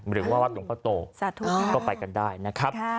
หรือว่าวัดหลวงพ่อโตสาธุก็ไปกันได้นะครับ